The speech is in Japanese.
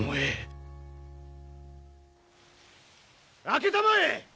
・開けたまえ！